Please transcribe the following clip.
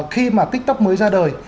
khi mà tiktok mới ra đời